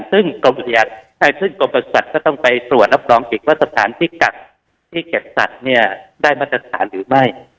ซึ่งกรมประสุทธิศัตริย์ก็ต้องไปตรวจรับรองอีกว่าสถานที่กัดที่เก็บสัตว์ได้มาตรฐานหรือไม่